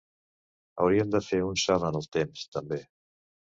Haurien de fer un salt en el temps, també.